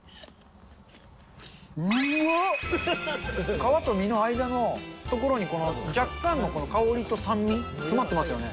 皮と実の間の所に、この、若干のこの香りと酸味、詰まってますよね。